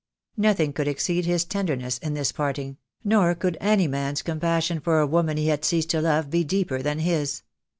Nothing could exceed his tenderness in this part ing; nor could any man's compassion for a woman he had ceased to love be deeper than his.